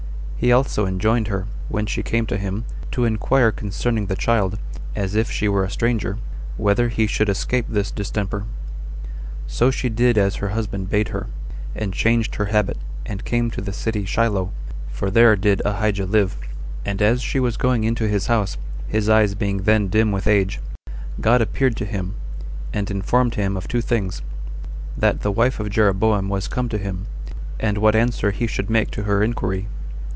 He also enjoined her, when she came to him, to inquire concerning the child, as if she were a stranger, whether he should escape this distemper. So she did as her husband bade her, and changed her habit, and came to the city Shiloh, for there did Ahijah live. And as she was going into his house, his eyes being then dim with age, God appeared to him, and informed him of two things; that the wife of Jeroboam was come to him, and what answer he should make to her inquiry.